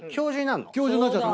教授になっちゃった。